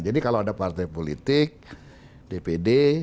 jadi kalau ada partai politik dpd